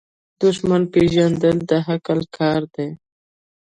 دښمن پیژندل د عقل کار دی.